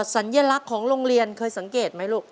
สัญลักษณ์ของโรงเรียนเคยสังเกตไหมลูก